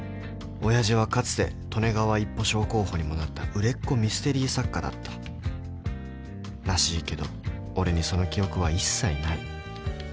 ［親父はかつて利根川一歩賞候補にもなった売れっ子ミステリー作家だったらしいけど俺にその記憶は一切ない］